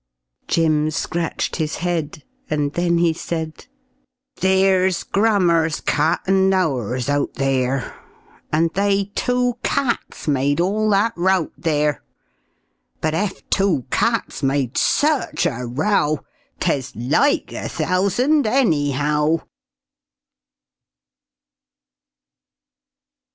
Jim scratched his head, And then he said "Theere's Grammer's cat and ours out theere, And they two cats made all that rout theere; But ef two cats made such a row, 'Tes like a thousand, anyhow."